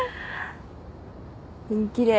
きれい。